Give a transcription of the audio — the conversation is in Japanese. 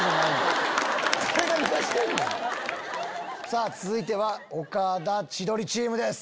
さぁ続いては岡田・千鳥チームです。